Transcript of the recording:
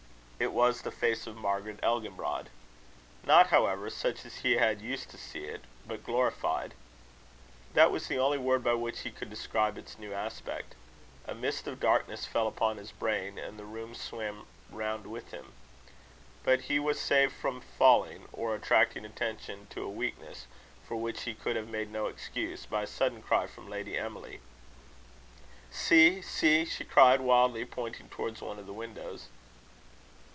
It was the face of Margaret Elginbrod; not, however, such as he had used to see it but glorified. That was the only word by which he could describe its new aspect. A mist of darkness fell upon his brain, and the room swam round with him. But he was saved from falling, or attracting attention to a weakness for which he could have made no excuse, by a sudden cry from Lady Emily. "See! see!" she cried wildly, pointing towards one of the windows.